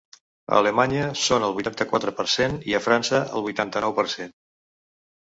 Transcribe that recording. A Alemanya són el vuitanta-quatre per cent i a França el vuitanta-nou per cent.